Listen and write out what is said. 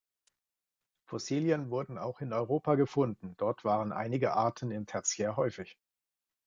Fossilien wurden auch in Europa gefunden, dort waren einige Arten im Tertiär häufig.